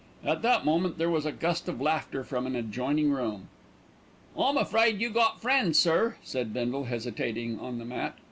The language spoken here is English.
At that moment there was a gust of laughter from an adjoining room. "I'm afraid you got friends, sir," said Bindle, hesitating on the mat.